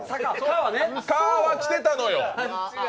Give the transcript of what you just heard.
「か」は来てたのよ。